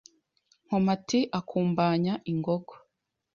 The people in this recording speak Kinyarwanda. Nkomati akumbanya ingogo